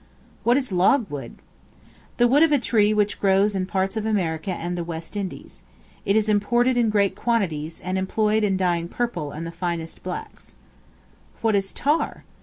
What is Logwood? The wood of a tree which grows in parts of America and the West Indies. It is imported in great quantities, and employed in dyeing purple and the finest blacks. What is Tar?